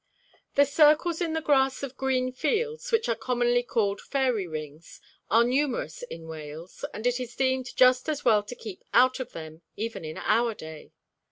I. The circles in the grass of green fields, which are commonly called fairy rings, are numerous in Wales, and it is deemed just as well to keep out of them, even in our day.